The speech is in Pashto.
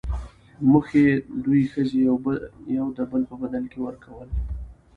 موخۍ، دوې ښځي يو دبل په بدل کي ورکول.